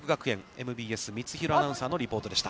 ＭＢＳ三ツ廣アナウンサーのリポートでした。